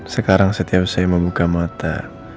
sekarang setiap saya membuka mata